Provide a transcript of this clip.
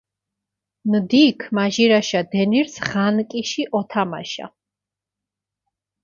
ნდიქჷ მაჟირაშა დენირზ ღანკიში ჸოთამაშა.